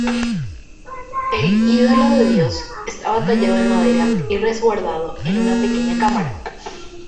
El ídolo del dios estaba tallado en madera y resguardado en una pequeña cámara.